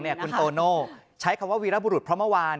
คุณโตโน่ใช้คำว่าวีรบุรุษเพราะเมื่อวาน